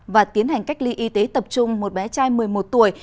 và tiến hành cách ly y tế tập trung một bé trai một mươi một tuổi